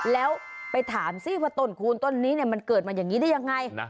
แล้วไปถามสิว่าต้นคูณต้นนี้มันเกิดมาอย่างนี้ได้ยังไง